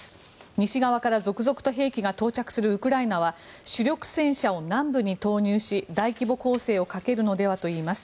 西側から続々と兵器が到着するウクライナは主力戦車を南部に投入し大規模攻勢をかけるのではといいます。